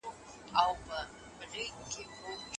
د لويي جرګې پرېکړه لیک څنګه مسوده کېږي؟